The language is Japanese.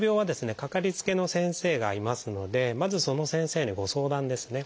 かかりつけの先生がいますのでまずその先生にご相談ですね。